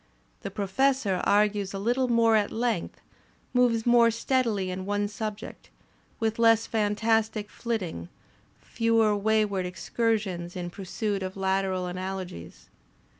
The Professor argues a little more at length, moves more steadily in one subject, with less fantastic fiitting, fewer wayward excursions in pursuit of lateral analogies.